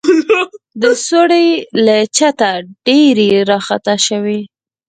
د سوړې له چته ډبرې راخطا سوې.